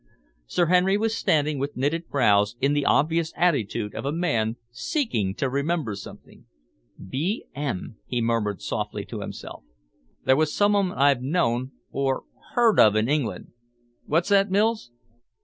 Sir Henry was standing with knitted brows, in the obvious attitude of a man seeking to remember something. "B. M.," he murmured softly to himself. "There was some one I've known or heard of in England What's that, Mills?"